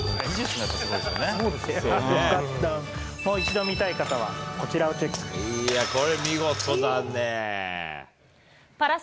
もう一度見たい方は、こちらをチパラ